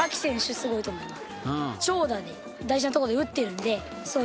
すごいと思います。